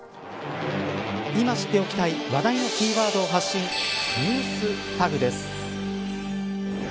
今知っておきたい話題のキーワードを発信ＮｅｗｓＴａｇです。